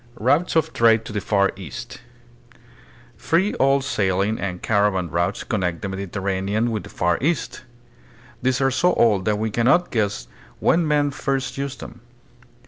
Routes of Trade to the Far East. Three old sail ing and caravan routes connect the Mediterranean with the Far East. They are so old that we can not guess when men first used them.